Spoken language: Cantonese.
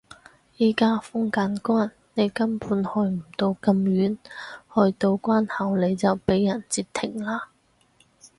而家封緊關你根本去唔到咁遠，去到關口你就畀人截停啦